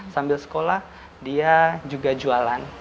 sambil sekolah dia juga jualan